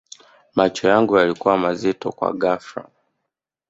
macho yangu yalikuwa mazito kwa ghafla